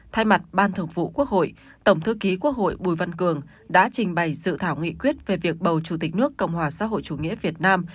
thay mặt ban thường vụ quốc hội tổng thư ký quốc hội bùi văn cường đã trình bày dự thảo nghị quyết về việc bầu chủ tịch nước cộng hòa xã hội chủ nghĩa việt nam